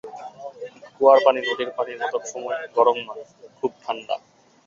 কুয়ার পানি নদীর পানির মতো গরম নয়, খুব ঠাণ্ডা।